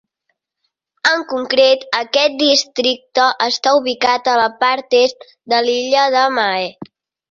En concret aquest districte està ubicat a la part est de l'illa de Mahé.